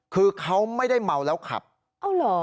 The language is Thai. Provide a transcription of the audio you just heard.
คือเขาไม่ได้เมาแล้วขับเอาเหรอ